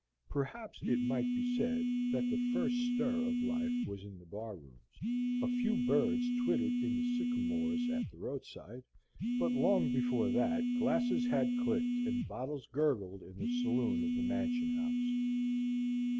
Perhaps it might be said that the first stir of life was in the bar rooms. A few birds twittered in the sycamores at the roadside, but long before that glasses had clicked and bottles gurgled in the saloon of the Mansion House.